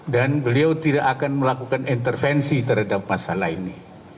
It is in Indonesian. dan beliau tidak akan melakukan intervensi terhadap masalah ini